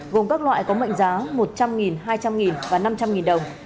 gồm các loại có mệnh giá một trăm linh hai trăm linh và năm trăm linh đồng